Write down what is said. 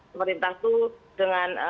pemerintah itu dengan